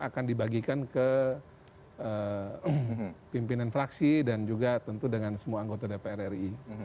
akan dibagikan ke pimpinan fraksi dan juga tentu dengan semua anggota dpr ri